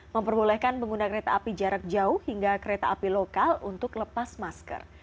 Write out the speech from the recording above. memperbolehkan pengguna kereta api jarak jauh hingga kereta api lokal untuk lepas masker